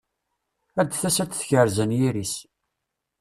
Ad d-tas ad tekrez anyir-is.